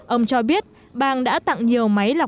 ông cho biết bang đã tặng nhiều máy lọc